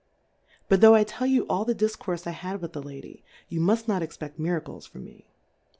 But, tho' I tell you all the Difcourfe I Jiad with tlie Lady, youmuft not expe£t Miracles . from me.